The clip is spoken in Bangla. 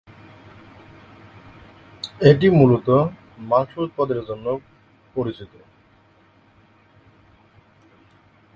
এটি মূলত মাংস উৎপাদনের জন্য পরিচিত।